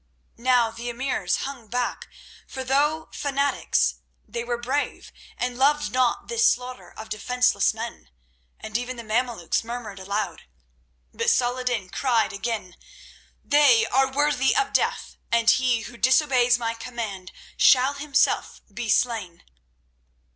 Now the emirs hung back, for though fanatics they were brave, and loved not this slaughter of defenceless men, and even the Mameluks murmured aloud. But Saladin cried again: "They are worthy of death, and he who disobeys my command shall himself be slain."